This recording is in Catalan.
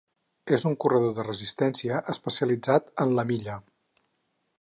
És un corredor de resistència especialitzat en la milla.